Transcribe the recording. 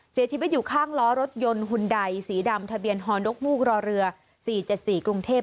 เสียชีวิตอยู่ข้างล้อรถยนต์หุ่นใดสีดำทะเบียนฮอนกมูกรอเรือ๔๗๔กรุงเทพ